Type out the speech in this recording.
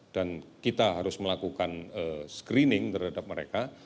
dan kita harus melakukan screening terhadap mereka